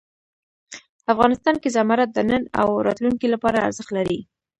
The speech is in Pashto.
افغانستان کې زمرد د نن او راتلونکي لپاره ارزښت لري.